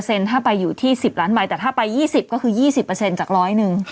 ก็คือ๑๐ถ้าไปอยู่ที่๑๐ล้านใบถ้าก็ถ้าปาย๒๐จากล้อยหนึ่ง